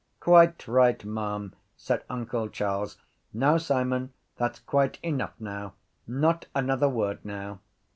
—Quite right, ma’am, said uncle Charles. Now Simon, that’s quite enough now. Not another word now.